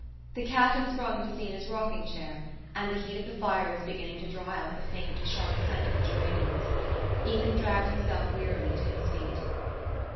The cat had sprung to Zeena's rocking chair, and the heat of the fire was beginning to draw out the faint sharp scent of the geraniums. Ethan dragged himself wearily to his feet.